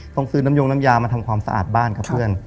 ต้องซื้อน้ำยงน้ำยามาทำความสะอาดบ้านกับเพื่อน